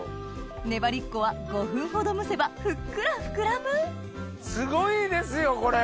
ねばりっこは５分ほど蒸せばふっくら膨らむすごいですよこれ。